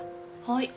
はい。